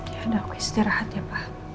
ya udah aku istirahat ya pak